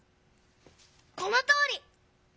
このとおり！